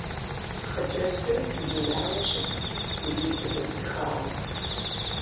Хъыджэбзыр дияуэ щытт и ӏитӏыр едзыхауэ.